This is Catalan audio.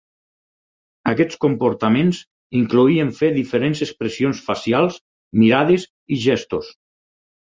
Aquests comportaments incloïen fer diferents expressions facials, mirades i gestos.